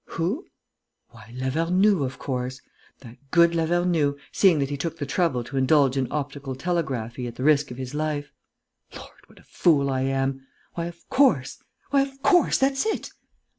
Who? Why, Lavernoux, of course! That good Lavernoux, seeing that he took the trouble to indulge in optical telegraphy at the risk of his life.... Lord, what a fool I am!... Why, of course, why, of course, that's it!...